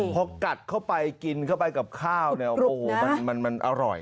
พอกัดเข้าไปกินเข้าไปกับข้าวมันอร่อย